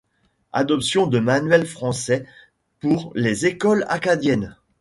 Adoption de manuels français pour les écoles acadiennes.